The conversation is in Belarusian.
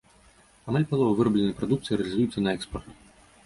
Амаль палова вырабленай прадукцыі рэалізуецца на экспарт.